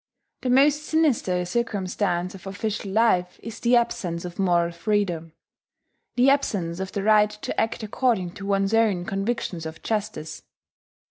The most sinister circumstance of official life is the absence of moral freedom, the absence of the right to act according to one's own convictions of justice.